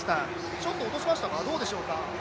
ちょっと落としましたか、どうでしょうか。